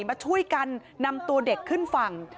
มาช่วยกันนำตัวเด็กขึ้นฝั่ง